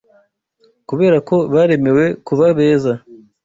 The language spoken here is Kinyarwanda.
Kubera ko baremewe kuba beza